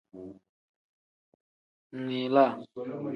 Min-laa.